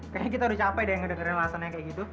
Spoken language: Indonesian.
kayaknya kita udah capek deh ngedengerin alasannya kayak gitu